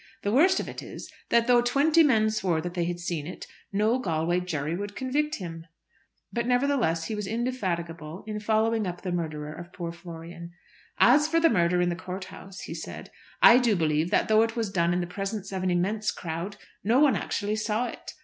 The worst of it is that though twenty men swore that they had seen it, no Galway jury would convict him." But nevertheless he was indefatigable in following up the murderer of poor Florian. "As for the murder in the court house," he said, "I do believe that though it was done in the presence of an immense crowd no one actually saw it.